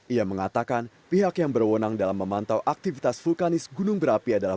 ia mengatakan pihak yang berwenang dalam memantau aktivitas vulkanis gunung berapi adalah